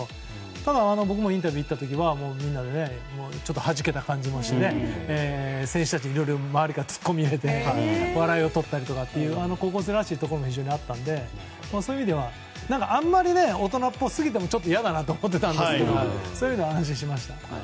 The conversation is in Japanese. ただ、僕もインタビューに行った時にはみんなちょっとはじけた感じでしたし選手たちにいろいろ周りが突っ込みを入れて笑いを取ったりという高校生らしいところも非常にあったのでそういう意味では、あんまり大人っぽすぎても嫌だなと思っていたのでそういうのは安心しました。